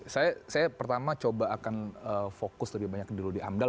saya pertama coba akan fokus lebih banyak dulu di amdal